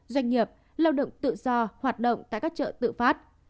doanh nghiệp lao động tự do hoạt động tại các chợ tự phát